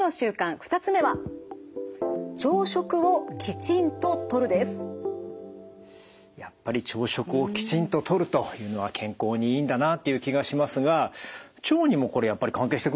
２つ目はやっぱり朝食をきちんととるというのは健康にいいんだなという気がしますが腸にもこれやっぱり関係してくるんですね。